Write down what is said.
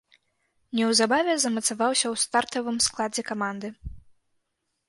Неўзабаве замацаваўся ў стартавым складзе каманды.